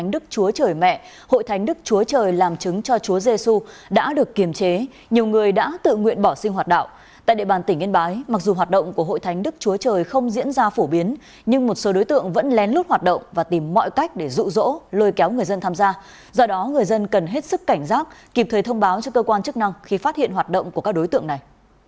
do đó người dân cần hết sức cảnh giác kịp thời thông báo cho cơ quan chức năng khi phát hiện hoạt động của các đối tượng này